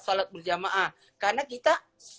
salat berjamaah karena kita